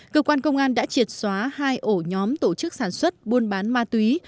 cơ quan công an đã triệt xóa hai ổ nhóm tổ chức sản xuất buôn bán ma túy